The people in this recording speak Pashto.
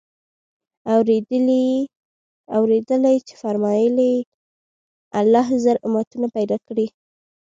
اورېدلي چي فرمايل ئې: الله زر امتونه پيدا كړي